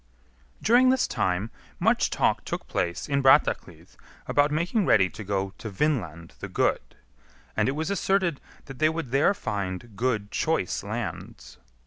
During this time much talk took place in Brattahlid about making ready to go to Vinland the Good, and it was asserted that they would there find good choice lands.